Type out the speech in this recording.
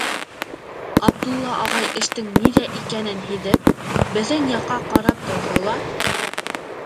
Абдулла ағай эштең ниҙә икәнен һиҙеп, беҙҙең яҡҡа ҡарап торҙо ла: